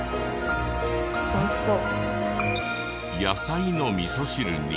美味しそう。